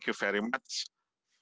saya rasa terima kasih banyak